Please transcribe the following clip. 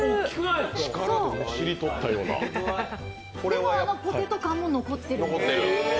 でも、ポテト感も残ってる。